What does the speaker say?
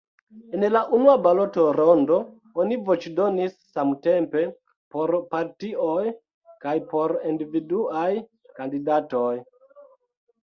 En la unua baloto-rondo oni voĉdonis samtempe por partioj kaj por individuaj kandidatoj.